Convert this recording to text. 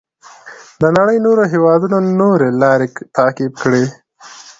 د نړۍ نورو هېوادونو نورې لارې تعقیب کړې.